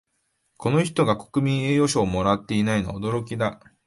この人が国民栄誉賞をもらっていないのは驚きだ